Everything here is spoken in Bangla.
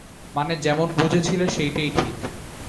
মানে যেমন বুঝেছিলে সেইটেই ঠিক।